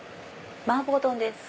麻婆丼です。